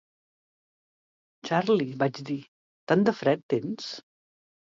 "Charley", vaig dir, "tan de fred tens?"